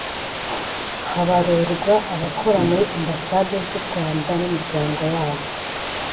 Habarurwa abakora muri za ambasade z’u Rwanda n’imiryango yabo